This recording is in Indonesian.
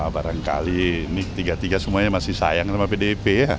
barangkali ini tiga tiga semuanya masih sayang sama pdip